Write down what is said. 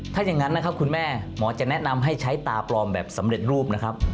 ถ้าอย่างนั้นนะครับคุณแม่หมอจะแนะนำให้ใช้ตาปลอมแบบสำเร็จรูปนะครับ